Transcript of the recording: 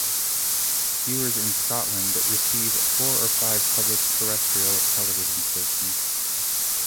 Viewers in Scotland receive four or five public terrestrial television stations.